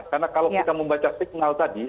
karena kalau kita membaca signal tadi